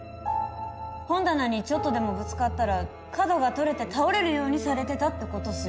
本棚にちょっとでもぶつかったら角が取れて倒れるようにされてたって事っすよね？